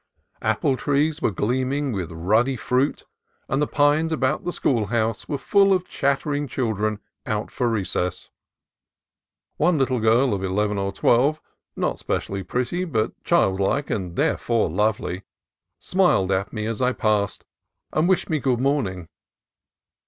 Apple trees were gleaming with ruddy fruit, and the pines about the school house were full of chattering chil dren out for recess. One little girl of eleven or twelve, not specially pretty, but childlike and therefore lovely, smiled up at me as I passed, and wished me "Good morning."